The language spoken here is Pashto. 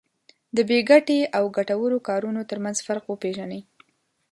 د بې ګټې او ګټورو کارونو ترمنځ فرق وپېژني.